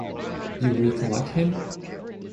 You recollect him?